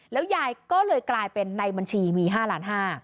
แล้วยายก็เลยกลายเป็นในบัญชีมี๕๕๐๐